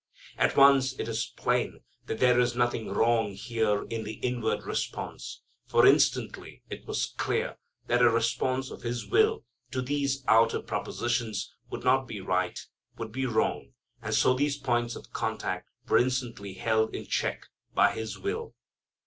At once it is plain that there is nothing wrong here in the inward response. For instantly it was clear that a response of His will to these outer propositions would not be right, would be wrong, and so these points of contact were instantly held in check by His will.